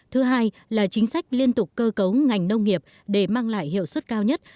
thứ hai là chính sách liên tục cơ cấu ngành nông nghiệp để mang lại hiệu suất cao nhất